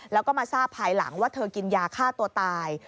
แล้วก็มาทราบภายหลังว่าเธอกินยาฆ่าตัวตาย